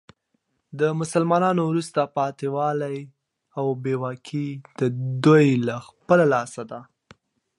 د مسلمانانو وروسته پاته والي او بي واکي د دوې له خپله لاسه ده.